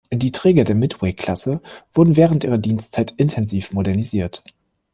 Die Träger der "Midway-Klasse" wurden während ihrer Dienstzeit intensiv modernisiert.